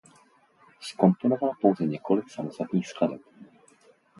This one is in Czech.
Zkomponoval pouze několik samostatných skladeb.